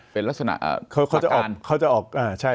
เป็นลักษณะประการ